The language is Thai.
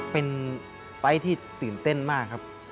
เป็นไฟล์ที่ตื่นเต้นมากครับ